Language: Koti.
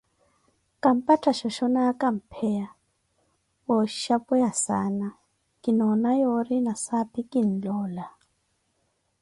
kampattha shoshonaka mpeya, wa oshapweya saana, kinoona yoori nasaapi kinloola.